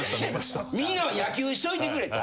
みんなは野球しといてくれと。